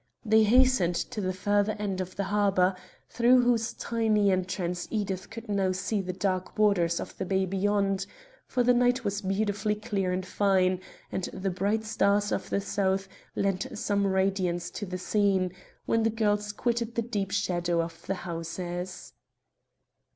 They hastened to the further end of the harbour, through whose tiny entrance Edith could now see the dark waters of the bay beyond, for the night was beautifully clear and fine, and the bright stars of the south lent some radiance to the scene, when the girls quitted the deep shadow of the houses.